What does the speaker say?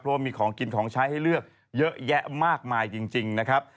เพราะว่ามีของกินของใช้ให้เลือกเยอะแยะมากมายจริงนะครับ